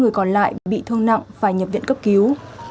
ba người còn lại bị thương nặng và nhập viện cấp cứu